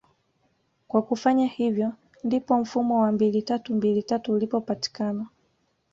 kwa kufanya hivyo ndipo mfumo wa mbili tatu mbili tatu ulipopatikana